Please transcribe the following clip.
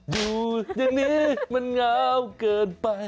อยู่อย่างนี้มันง้าวเกินไป